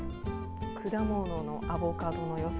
果物のアボカドのよさ